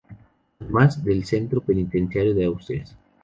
Además del Centro Penitenciario de Asturias.